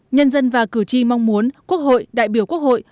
nhân dân và cử tri mong muốn quốc hội đại biểu quốc hội